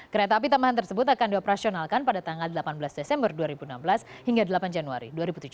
kereta api tambahan tersebut akan dioperasionalkan pada tanggal delapan belas desember dua ribu enam belas hingga delapan januari dua ribu tujuh belas